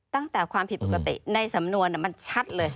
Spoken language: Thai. ตั้งแต่ความผิดปกติในสำนวนมันชัดเลย